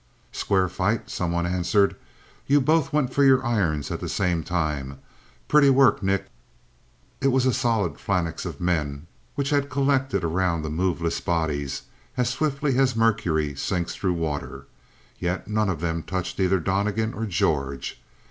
"Square fight," someone answered. "You both went for your irons at the same time. Pretty work, Nick." It was a solid phalanx of men which had collected around the moveless bodies as swiftly as mercury sinks through water. Yet none of them touched either Donnegan or George.